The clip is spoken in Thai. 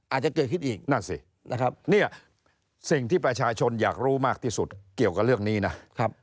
อาจจะเกิดขึ้นอีกนั่นสินะครับเนี่ยสิ่งที่ประชาชนอยากรู้มากที่สุดเกี่ยวกับเรื่องนี้นะ